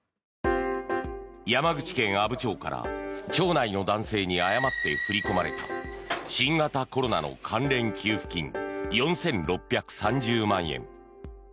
山口県阿武町から町内の男性に誤って振り込まれた新型コロナの関連給付金４６３０万円。